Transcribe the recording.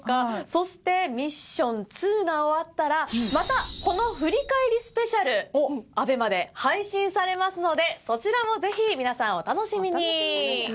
そしてミッション２が終わったらまたこの振り返りスペシャルＡＢＥＭＡで配信されますのでそちらもぜひ皆さんお楽しみに！